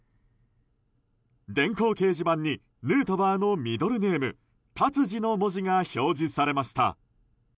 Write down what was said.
電光掲示板にヌートバーのミドルネーム「ＴＡＴＳＵＪＩ」の文字が表示されました。